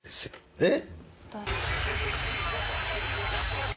えっ。